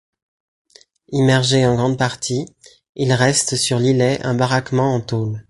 Immergé en grade partie, il reste sur l'îlet un baraquement en tôles.